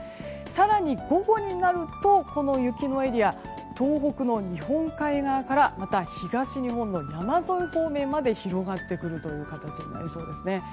更に、午後になると雪のエリアは東北の日本海側からまた、東日本の山沿い方面まで広がってくるという形になりそうですね。